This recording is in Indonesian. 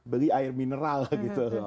beli air mineral gitu